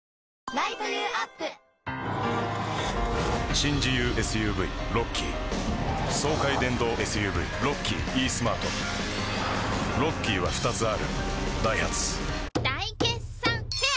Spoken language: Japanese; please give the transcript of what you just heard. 新自由ＳＵＶロッキー爽快電動ＳＵＶロッキーイースマートロッキーは２つあるダイハツ大決算フェア